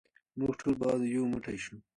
موږ ټول باید یو موټی شو.